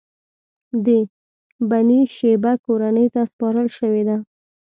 د بنی شیبه کورنۍ ته سپارل شوې ده.